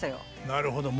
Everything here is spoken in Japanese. なるほど。